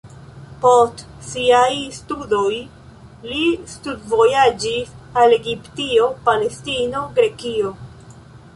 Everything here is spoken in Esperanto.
Post siaj studoj li studvojaĝis al Egipto, Palestino, Grekio.